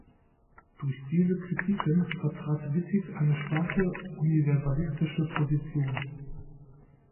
Durch diese Kritiken vertrat Wittig eine starke universalistische Position.